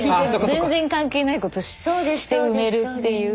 全然関係ないことして埋めるっていう。